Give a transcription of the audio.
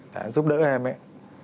đã giúp đỡ em ấy